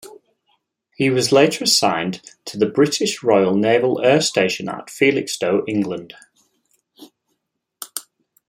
He was later assigned to the British Royal Naval Air Station at Felixstowe, England.